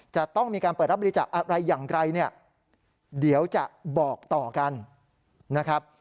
จะต้องมีการเปิดรับบริจาคอะไรอย่างไรเนี่ยเดี๋ยวจะบอกต่อกันนะครับ